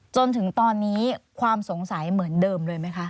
จนถึงตอนนี้ความสงสัยเหมือนเดิมเลยไหมคะ